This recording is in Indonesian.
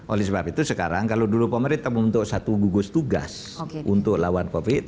oleh sebab itu sekarang kalau dulu pemerintah membentuk satu gugus tugas untuk lawan covid